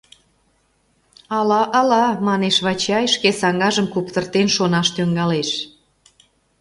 — Ала, ала... — манеш Вачай, шке саҥгажым куптыртен шонаш тӱҥалеш.